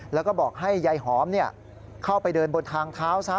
แล้วก็บอกให้ยายหอมเข้าไปเดินบนทางเท้าซะ